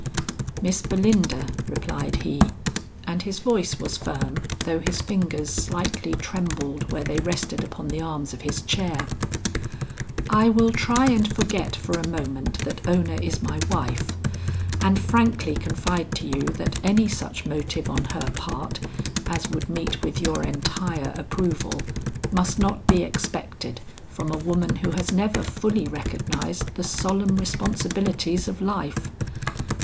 "Miss Belinda," replied he, and his voice was firm though his fingers slightly trembled where they rested upon the arms of his chair, "I will try and forget for a moment that Ona is my wife, and frankly confide to you that any such motive on her part, as would meet with your entire approval, must not be expected from a woman who has never fully recognized the solemn responsibilities of life.